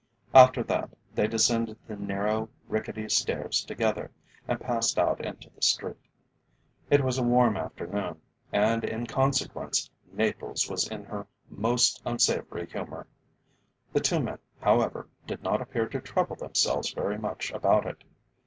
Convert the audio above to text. After that they descended the narrow, rickety stairs together, and passed out into the street. It was a warm afternoon, and in consequence Naples was in her most unsavoury humour. The two men, however, did not appear to trouble themselves very much about it.